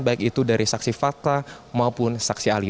baik itu dari saksi fakta maupun saksi ahli